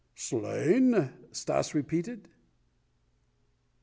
"Slain?" Stas repeated.